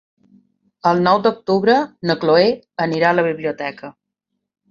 El nou d'octubre na Chloé anirà a la biblioteca.